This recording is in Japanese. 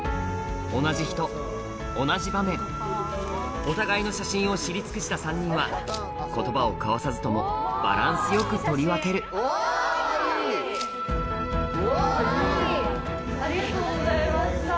同じ人同じ場面お互いの写真を知り尽くした３人は言葉を交わさずともバランス良く撮り分けるありがとうございました。